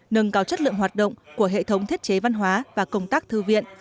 nâng cao chất lượng hoạt động của hệ thống thiết chế văn hóa và công tác thư viện